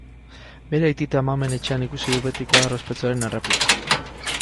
Bere aitite-amamen etxean ikusi du beti koadro ospetsuaren erreplika.